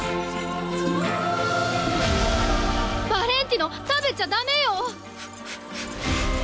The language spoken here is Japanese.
バレンティノ、食べちゃだめよ。